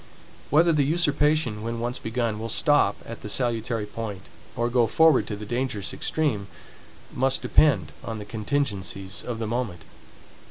Whether the usurpation, when once begun, will stop at the salutary point, or go forward to the dangerous extreme, must depend on the contingencies of the moment.